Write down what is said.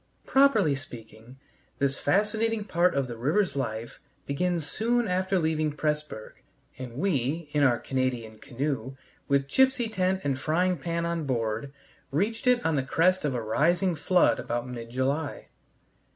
Properly speaking, this fascinating part of the river's life begins soon after leaving Pressburg, and we, in our Canadian canoe, with gipsy tent and frying pan on board, reached it on the crest of a rising flood about mid July.